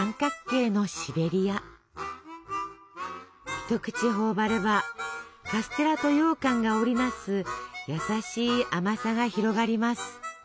一口頬張ればカステラとようかんが織り成す優しい甘さが広がります。